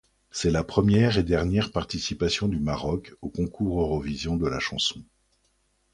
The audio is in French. C'est la première et dernière participation du Maroc au Concours Eurovision de la chanson.